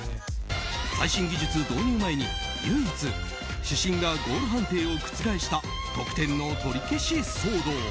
ワールドカップ史上唯一主審がゴール判定を覆した得点の取り消し騒動。